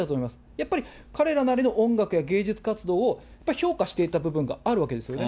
やっぱり彼らなりの音楽や芸術活動をやっぱり評価していた部分があるわけですよね。